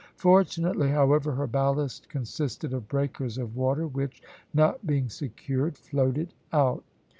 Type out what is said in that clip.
Fortunately, however, her ballast consisted of breakers of water which, not being secured, floated out.